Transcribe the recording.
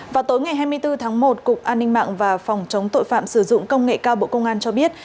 vào tối ngày hai mươi bốn tháng một cục an ninh mạng và phòng chống tội phạm sử dụng công nghệ cao bộ công an cho biết